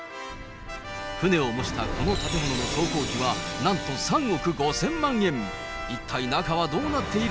船を模したこの建物の総工費はなんと３億５０００万円。